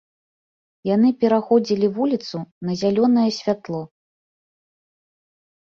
Яны пераходзілі вуліцу на зялёнае святло.